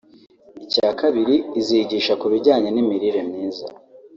icya kabiri izigisha ku bijyanye n’imirire myiza